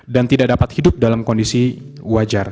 dan tidak dapat hidup dalam kondisi wajar